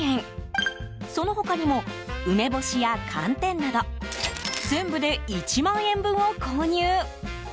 その他にも、梅干しや寒天など全部で１万円分を購入。